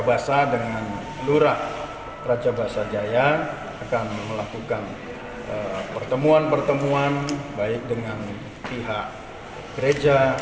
rasa dengan lurah raja basajaya akan melakukan pertemuan pertemuan baik dengan pihak gereja